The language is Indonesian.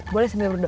boleh sambil berdoa